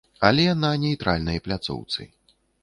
Але на нейтральнай пляцоўцы.